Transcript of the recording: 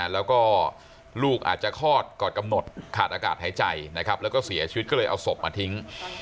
แล้วก็ลูกอาจจะคลอดก่อนกำหนดขาดอากาศหายใจนะครับแล้วก็เสียชีวิตก็เลยเอาศพมาทิ้ง